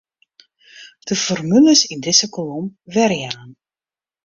De formules yn dizze kolom werjaan.